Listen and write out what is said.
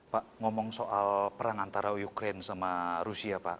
pak ngomong soal perang antara ukraine sama rusia pak